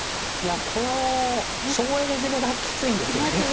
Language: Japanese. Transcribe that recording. いやこの省エネ攻めがきついんですよね。